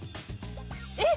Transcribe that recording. えっ！？